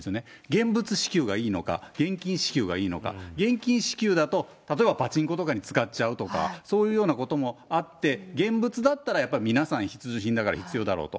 現物支給がいいのか、現金支給がいいのか、現金支給だと、例えばパチンコとかに使っちゃうとか、そういうようなこともあって、現物だったら、やっぱり皆さん、必需品だから必要だろうと。